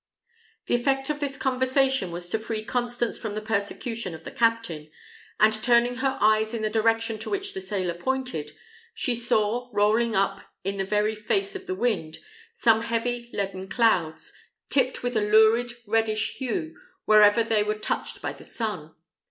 The effect of this conversation was to free Constance from the persecution of the captain; and turning her eyes in the direction to which the sailor pointed, she saw, rolling up in the very face of the wind, some heavy, leaden clouds, tipped with a lurid reddish hue wherever they were touched by the sun.